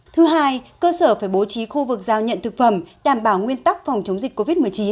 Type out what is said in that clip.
thứ hai cơ sở phải bố trí khu vực giao nhận thực phẩm đảm bảo nguyên tắc phòng chống dịch covid một mươi chín